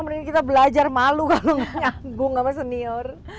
mendingan kita belajar malu kalau nyanggung sama senior